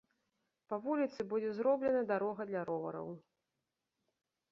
Па вуліцы будзе зроблена дарога для ровараў.